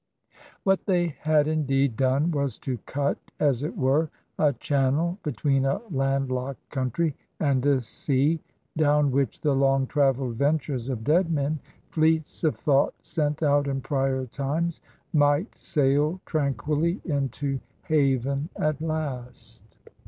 What they had, indeed, done was to cut, as it were, a channel between a land locked country and a sea, down which the long travelled ventures of dead men — ^fleets of thought sent out in prior times — might sail tranquilly into haven at last.